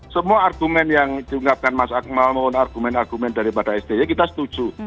semua argumen yang diungkapkan mas akmal mohon argumen argumen daripada sby kita setuju